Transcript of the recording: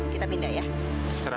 kita pindah ya